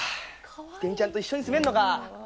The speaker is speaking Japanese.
ひでみちゃんと一緒に住めるのか。